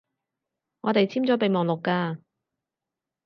我哋簽咗備忘錄㗎